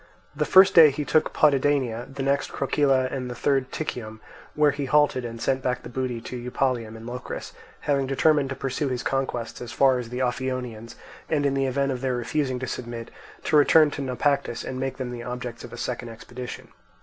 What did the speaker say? The first day he took Potidania, the next Krokyle, and the third Tichium, where he halted and sent back the booty to Eupalium in Locris, having determined to pursue his conquests as far as the Ophionians, and, in the event of their refusing to submit, to return to Naupactus and make them the objects of a second expedition.